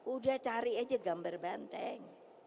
udah cari aja gambar banteng